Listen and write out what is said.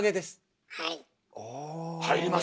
入ります？